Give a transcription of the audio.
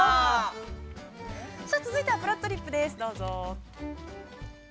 ◆続いては「ぷらっとりっぷ」です、どうぞ。